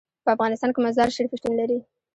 په افغانستان کې مزارشریف شتون لري.